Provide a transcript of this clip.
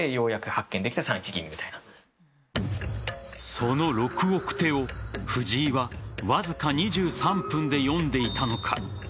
その６億手を、藤井はわずか２３分で読んでいたのか。